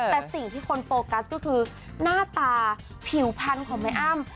แต่สิ่งที่คนโฟกัสก็คือหน้าตาผิวพันธุ์ของแม่อ้ำ